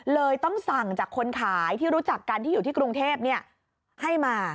เลยต้องสั่งจากคนขายที่รู้จักกันที่อยู่ที่กรุงเทพให้มา